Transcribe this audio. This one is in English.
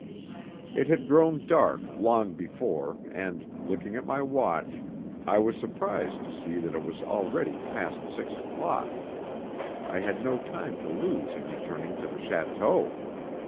It had grown dark long before and, looking at my watch, I was surprised to see that it was already past six o'clock. I had no time to lose in returning to the château.